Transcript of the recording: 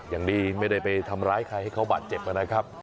อย่างดีไม่ได้ไปทำร้ายใครให้เขาบาดเจ็บนะครับ